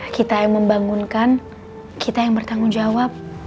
kita yang membangunkan kita yang bertanggung jawab